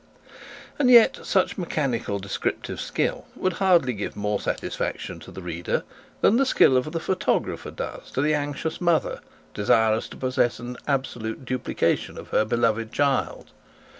And yet such mechanical descriptive skill would hardly give more satisfaction to the reader than the skill of the photographer does to the anxious mother desirous to possess an absolute duplicate of her beloved child.